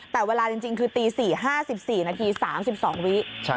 แต่เวลาจริงคือตี๔๕๔นาที๓๒วิ